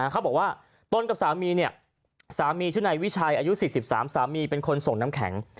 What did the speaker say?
เขาบอกว่าตนกับสามีสามีชื่อนายวิชัยอายุ๔๓สามีเป็นคนส่งน้ำแข็ง